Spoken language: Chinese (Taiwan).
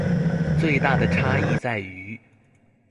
最大的差異在於